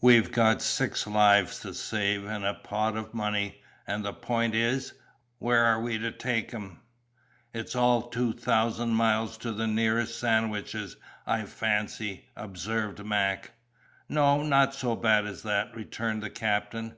We've got six lives to save, and a pot of money; and the point is, where are we to take 'em?" "It's all two thousand miles to the nearest of the Sandwiches, I fancy," observed Mac. "No, not so bad as that," returned the captain.